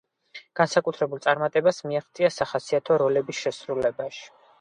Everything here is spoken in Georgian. განსაკუთრებულ წარმატებას მიაღწია სახასიათო როლების შესრულებაში.